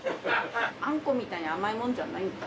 あんこみたいに甘いものじゃないんです。